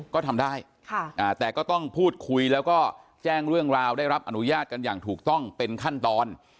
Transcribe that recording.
ก็ทำได้แต่ก็ต้องพูดคุยแล้วก็แจ้งเรื่องราวได้รับอนุญาตกันอย่างถูกต้องเป็นขั้นตอน